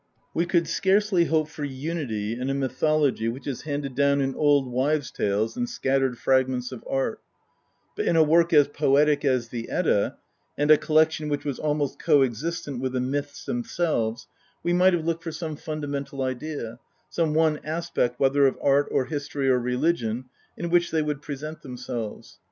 We could scarcely hope for unity in a mythology which is handed down in old wives' tales and scattered fragments of art ; but in a work as poetic as the Edda, and a collection which was almost co existent with the myths themselves, we might have looked for some funda mental idea, some one aspect whether of art or history or religion, in which they would present themselves.